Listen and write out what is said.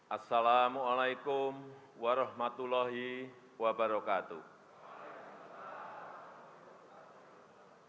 assalamu'alaikum warahmatullahi wabarakatuh